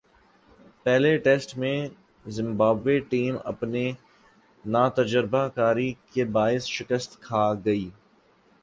پہلے ٹیسٹ میں Zimbabwe team اپنی ناتجربہ کاری کے باعث شکست کھاگئی